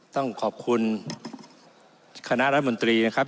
ต้องขอบคุณคณะรัฐมนตรีนะครับ